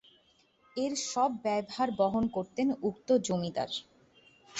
এর সব ব্যয়ভার বহন করতেন উক্ত জমিদার।